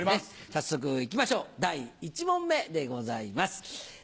早速行きましょう第１問目でございます。